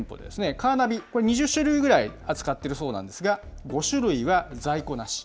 カーナビ、これ、２０種類ぐらい扱ってるそうなんですが、５種類は在庫なし。